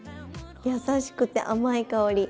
やさしくて甘い香り。